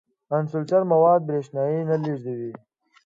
انسولټر مواد برېښنا نه لیږدوي.